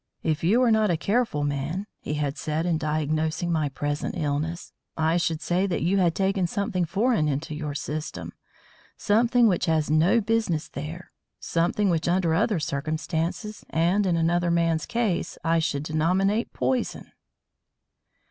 "If you were not a careful man," he had said in diagnosing my present illness, "I should say that you had taken something foreign into your system; something which has no business there; something which under other circumstances and in another man's case I should denominate poison."